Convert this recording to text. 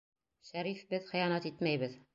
Шәриф, беҙ хыянат итмәйбеҙ!